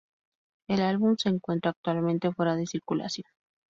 El álbum se encuentra actualmente fuera de circulación.